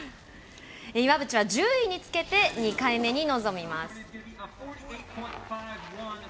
岩渕は１０位につけて２回目に臨みます。